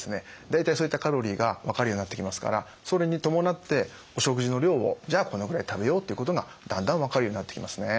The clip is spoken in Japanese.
大体そういったカロリーが分かるようになってきますからそれに伴ってお食事の量をじゃあこのぐらい食べようってことがだんだん分かるようになってきますね。